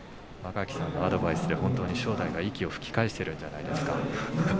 間垣さんのアドバイスで正代、息を吹き返しているんじゃないですか。